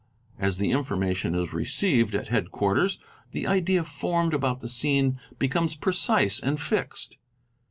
As the information is received at headquarters the idea formed about the scene becomes precise and fixed.